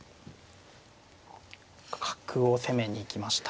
角を攻めに行きました。